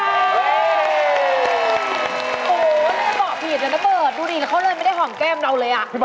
ดูดิแล้วเขาเลยไม่ได้หอมแก้มเราเลยอ่ะ